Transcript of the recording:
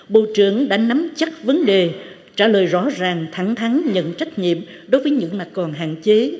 bộ trưởng đã nắm chắc vấn đề trả lời rõ ràng thẳng thắng nhận trách nhiệm đối với những mặt còn hạn chế